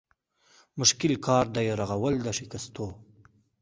مشکل کار دی رغول د شکستو